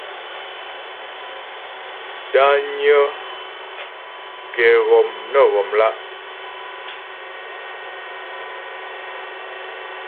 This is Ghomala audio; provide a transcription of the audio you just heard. Dányə́ ghɛ́ghɔm nə ghɔmlá'.